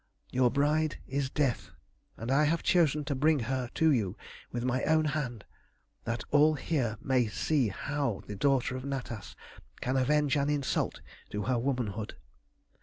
Your bride is Death, and I have chosen to bring her to you with my own hand, that all here may see how the daughter of Natas can avenge an insult to her womanhood.